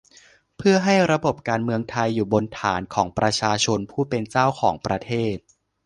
เพื่อให้ระบบการเมืองไทยอยู่บนฐานของประชาชนผู้เป็นเจ้าของประเทศ